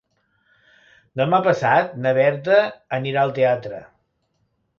Demà passat na Berta anirà al teatre.